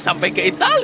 sama hendok handok betul